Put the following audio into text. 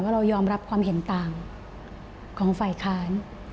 เรายอมรับความเห็นต่างของฝ่ายค้าน